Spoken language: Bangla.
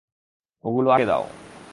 ওগুলো আটকে দাও।